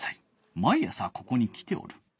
毎朝ここに来ておる。